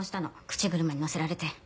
口車に乗せられて。